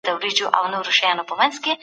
ښه ذهنیت خوښي نه خرابوي.